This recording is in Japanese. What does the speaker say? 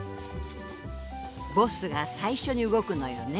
ボスが最初に動くのよね。